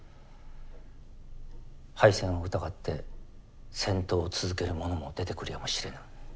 敗戦を疑って戦闘を続ける者も出てくるやもしれぬ。